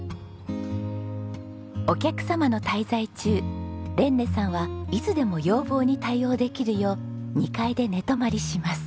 お客様の滞在中レンネさんはいつでも要望に対応できるよう２階で寝泊まりします。